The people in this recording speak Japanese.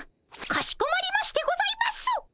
かしこまりましてございます！